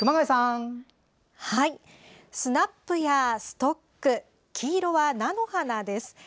スナップやストック黄色は菜の花です。